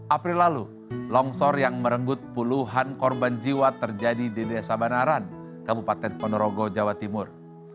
april lalu longsor yang merenggut puluhan korban jiwa terjadi di desa banaran kabupaten ponorogo jawa timur